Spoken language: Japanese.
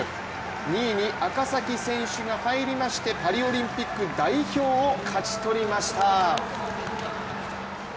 ２位に赤崎選手が入りまして、パリオリンピック代表を勝ち取りました。